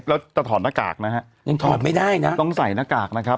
แล้วจะถอดหน้ากากนะฮะยังถอดไม่ได้นะต้องใส่หน้ากากนะครับ